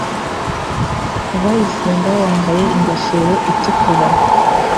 Uwayisenga wambaye ingofero itukura